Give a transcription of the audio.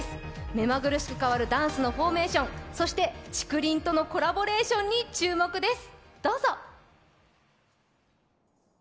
めまぐるしく変わるダンスのフォーメーション、そして竹林とのコラボレーションに注目です。